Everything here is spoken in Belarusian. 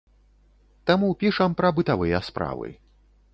Таму пішам пра бытавыя справы.